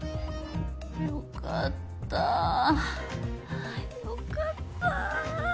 良かった良かった。